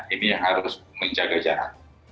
ini harus menjaga jarak